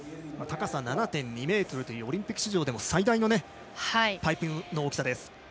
高さ、７．２ｍというオリンピック史上最大のパイプの大きさです。